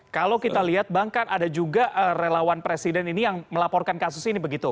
kalau kita lihat bang kan ada juga relawan presiden ini yang melaporkan kasus ini begitu